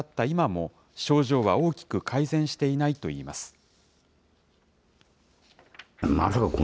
今も、症状は大きく改善していないといいます。